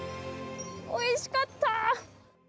おいしかった。